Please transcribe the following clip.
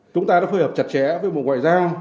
chúng ta đã phối hợp chặt chẽ với bộ ngoại giao